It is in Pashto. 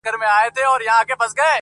ستا د سترگو جام مي د زړه ور مات كـړ,